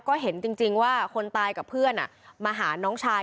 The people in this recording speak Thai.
ก็เห็นจริงว่าคนตายกับเพื่อนมาหาน้องชาย